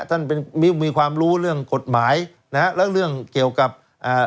ท่านเป็นมีความรู้เรื่องกฎหมายนะฮะแล้วเรื่องเกี่ยวกับอ่า